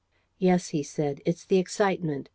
"Yes," he said, "it's the excitement.